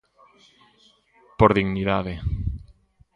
Por dignidade.